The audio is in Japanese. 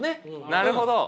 なるほど！